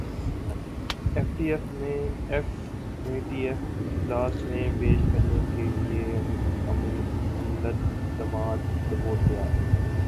F A T F اجلاس میں پیش کرنے کیلئے عملدرامد رپورٹ تیار